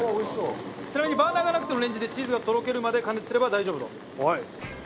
ちなみにバーナーがなくてもレンジでチーズがとろけるまで加熱すれば大丈夫と。